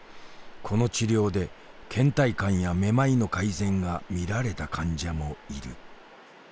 この治療でけん怠感やめまいの改善が見られた患者もいる。